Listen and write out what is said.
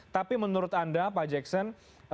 tapi menurut anda pak jackson